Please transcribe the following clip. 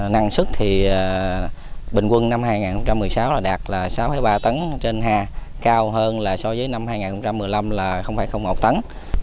năng sức bình quân năm hai nghìn một mươi sáu đạt sáu ba tấn trên ha cao hơn so với năm hai nghìn một mươi năm là một tấn